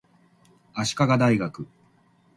足利大学